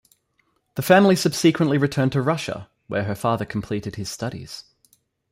The family subsequently returned to Russia where her father completed his studies.